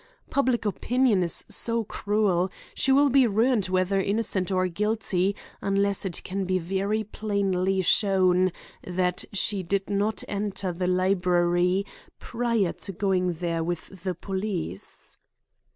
Public opinion is so cruel. She will be ruined whether innocent or guilty, unless it can be very plainly shown that she did not enter the library prior to going there with the police."